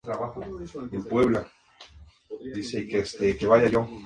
Hay una intensa reacción inflamatoria con participación de linfocitos y eosinófilos.